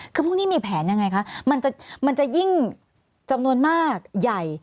คือพรุ่งนี้มีแผนยังไงคะมันจะยิ่งจำนวนมากใหญ่